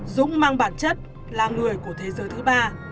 dũng mang bản chất là người của thế giới thứ ba